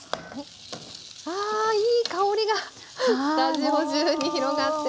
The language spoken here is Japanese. あいい香りがスタジオ中に広がっています！